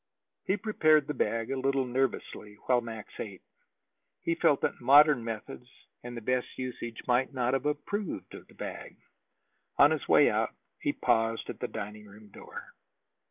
He prepared the bag a little nervously, while Max ate. He felt that modern methods and the best usage might not have approved of the bag. On his way out he paused at the dining room door.